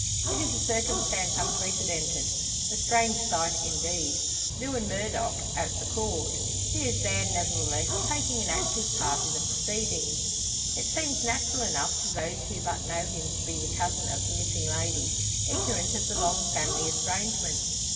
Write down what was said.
It is a circumstance unprecedented a strange sight, indeed Lewin Murdock at the Court! He is there, nevertheless, taking an active part in the proceedings. It seems natural enough to those who but know him to be the cousin of the missing lady, ignorant of the long family estrangement.